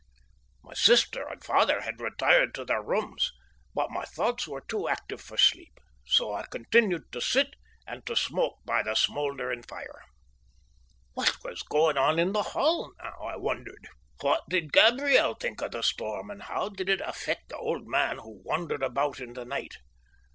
My sister and father had retired to their rooms, but my thoughts were too active for sleep, so I continued to sit and to smoke by the smouldering fire. What was going on in the Hall now, I wondered? What did Gabriel think of the storm, and how did it affect the old man who wandered about in the night?